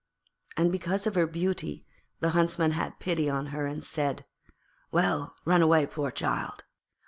And because of her beauty the Huntsman had pity on her and said, 'Well, run away, poor child.'